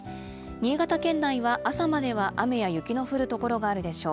新潟県内は朝までは雨や雪の降る所があるでしょう。